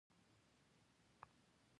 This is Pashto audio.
شوروي روسيې کله چې پرمختګونه وپنځول